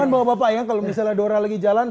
tahu kan bapak ya kalau misalnya dora lagi jalan